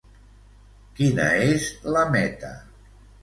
Quina és la meta?